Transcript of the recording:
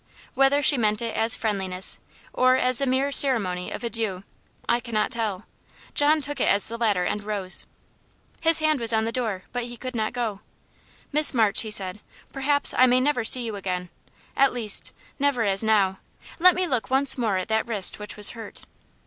Whether she meant it as friendliness, or as a mere ceremony of adieu, I cannot tell. John took it as the latter, and rose. His hand was on the door but he could not go. "Miss March," he said, "perhaps I may never see you again at least, never as now. Let me look once more at that wrist which was hurt."